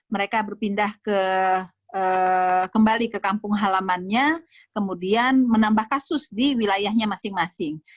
mereka berpindah kembali ke kampung halamannya kemudian menambah kasus di wilayahnya masing masing